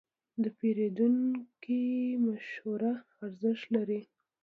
د پیرودونکي مشوره ارزښت لري.